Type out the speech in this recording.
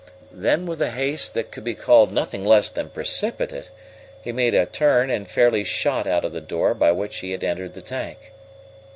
Then, with a haste that could be called nothing less than precipitate, he made a turn and fairly shot out of the door by which he had entered the tank.